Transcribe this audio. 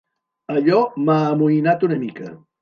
Allò m'ha amoïnat una mica.